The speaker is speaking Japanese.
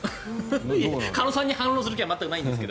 鹿野さんに反論する気は全くないですが。